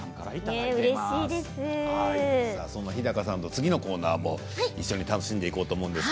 次のコーナーも一緒に楽しんでいこうと思います。